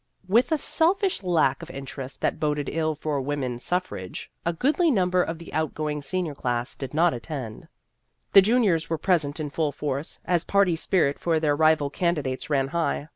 With a selfish lack of interest that boded ill for woman suf frage, a goodly number of the outgoing senior class did not attend. The juniors were present in full force, as party spirit for their rival candidates ran high.